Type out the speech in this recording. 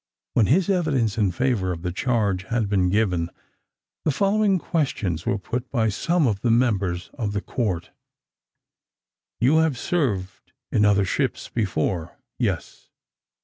When his evidence in favour of the charge had been given, the following questions were put by some of the members of the court: "You have served in other ships before?" "Yes."